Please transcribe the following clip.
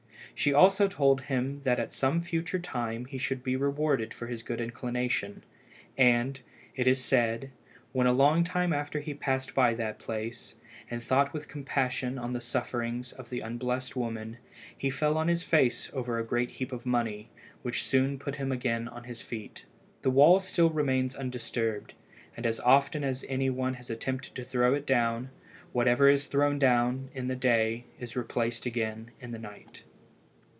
She also told him that at some future time he should be rewarded for his good inclination; and, it is said, when a long time after he passed by that place, and thought with compassion on the sufferings of the unblest woman, he fell on his face over a great heap of money, which soon put him again on his feet. The wall still remains undisturbed, and as often as any one has attempted to throw it down, whatever is thrown down in the day is replaced again in the night.